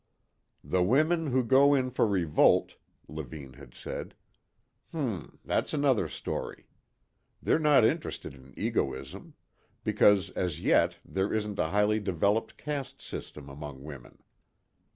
"The women who go in for revolt," Levine had said, "Hm, that's another story. They're not interested in egoism. Because as yet there isn't a highly developed caste system among women.